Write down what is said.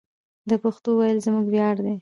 د پښتو ویل زموږ ویاړ دی.